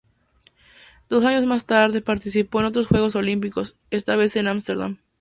Dos años más tarde participó en otros Juegos Olímpicos, esta vez en Ámsterdam.